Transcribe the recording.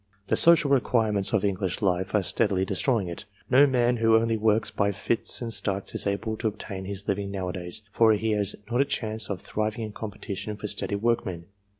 The social requirements of English life are steadily de stroying it. No man who only works by fits and starts is able to obtain his living nowadays ; for he has not a chance of thriving in competition with steady workmen.